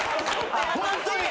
ホントに。